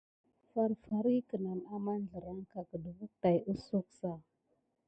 Far far ki ne àmanzləra gəɗefùt tät kusoza.